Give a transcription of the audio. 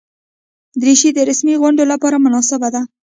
دریشي د رسمي غونډو لپاره مناسبه ده.